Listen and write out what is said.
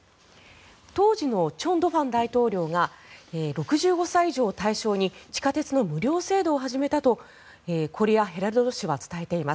当時の全斗煥大統領が６５歳以上を対象に地下鉄の無料制度を始めたとコリアヘラルド紙は伝えています。